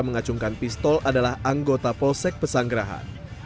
mengacungkan pistol adalah anggota polsek pesanggerahan